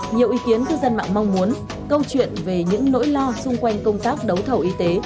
nhiều ý kiến cư dân mạng mong muốn câu chuyện về những nỗi lo xung quanh công tác đấu thầu y tế